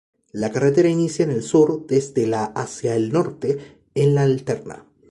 La carretera inicia en el Sur desde la hacia el Norte en la Alterna.